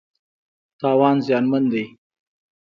تاوان زیانمن دی.